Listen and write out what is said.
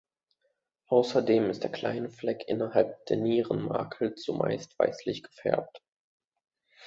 Außerdem ist der kleine Fleck innerhalb der Nierenmakel zumeist weißlich gefärbt.